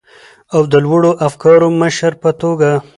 او د لوړو افکارو مشر په توګه،